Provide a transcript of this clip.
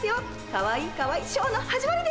かわいいかわいいショーの始まりです。